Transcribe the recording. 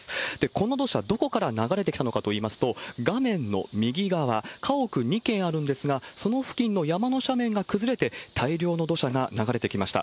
この土砂、どこから流れてきたのかといいますと、画面の右側、家屋２軒あるんですが、その付近の山の斜面が崩れて、大量の土砂が流れてきました。